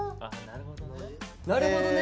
なるほどね。